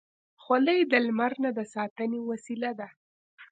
خولۍ د لمر نه د ساتنې وسیله ده.